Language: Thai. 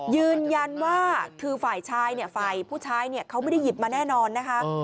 ยืนยันว่าคือฝ่ายผู้ชายเขาไม่ได้หยิบมาแน่นอนนะครับ